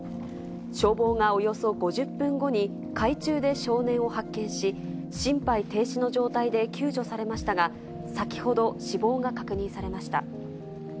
消防がおよそ５０分後に海中で少年を発見し、心肺停止の状態で救助されましたが、先ほど、死亡が確認されました。